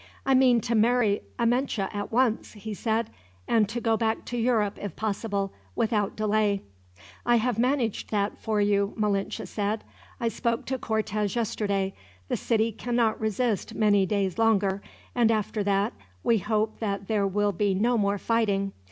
"I mean to marry Amenche, at once," he said; "and to go back to Europe, if possible, without delay." "I have managed that for you," Malinche said. "I spoke to Cortez yesterday. The city cannot resist many days longer, and after that we hope that there will be no more fighting.